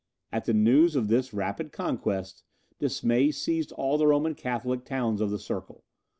At the news of this rapid conquest, dismay seized all the Roman Catholic towns of the circle.